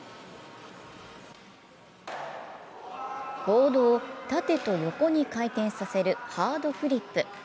ボードを縦と横に回転させるハードフリップ。